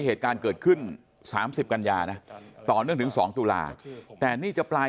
เหตุการณ์เกิดขึ้น๓๐กันยานะต่อเนื่องถึง๒ตุลาแต่นี่จะปลาย